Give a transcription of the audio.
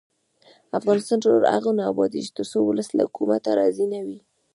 افغانستان تر هغو نه ابادیږي، ترڅو ولس له حکومته راضي نه وي.